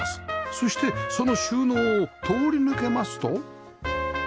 そしてその収納を通り抜けますと